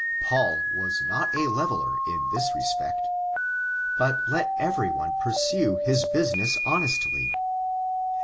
Paul was not a leveler in this respect. But, let every one pursue his business honestly.